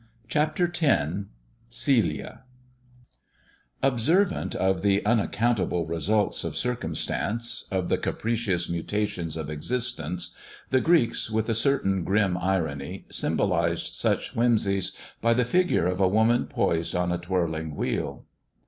CHAPTER X GELIA OBSERVANT of the unaccountable results of circum stance, of the capricious mutations of existence, the Greeks, with a certain grim irony, symbolized such whimseys by the figure of a woman poised on a twirling wheel.